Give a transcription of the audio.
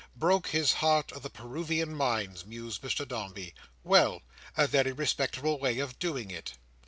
Broke his heart of the Peruvian mines, mused Mr Dombey. Well! a very respectable way of doing It.